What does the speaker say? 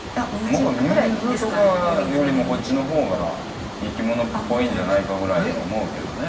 僕ミミズとかよりもこっちのほうが生き物っぽいんじゃないかぐらいに思うけどね。